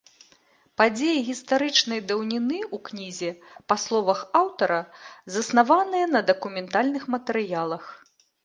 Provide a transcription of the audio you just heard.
Падзеі гістарычнай даўніны ў кнізе, па словах аўтара, заснаваныя на дакументальных матэрыялах.